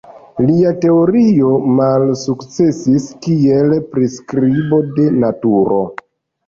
Lia teorio malsukcesis kiel priskribo de naturo.